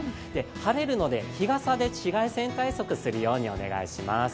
晴れるので日傘で紫外線対策するようにお願いします。